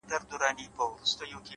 تمرکز ذهن واحد هدف ته راټولوي؛